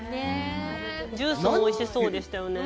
ジュースもおいしそうでしたよね。